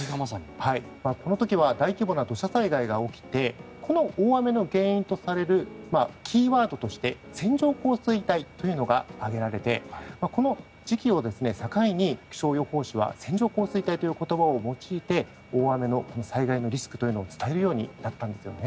この時は大規模な土砂災害が起きてこの大雨の原因とされるキーワードとして線状降水帯というのが挙げられてこの時期を境に気象予報士は線状降水帯という言葉を用いて大雨の災害のリスクというのを伝えるようになったんですよね。